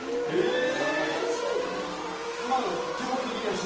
瞬時にですか？